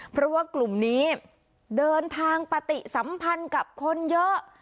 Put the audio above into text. เพราะว่ากลุ่มนี้เดินทางปฏิสัมพันธ์กับคนเยอะ